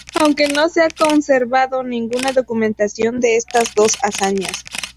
Aunque no se ha conservado ninguna documentación de estas dos hazañas.